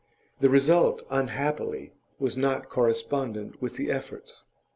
The result, unhappily, was not correspondent with the efforts.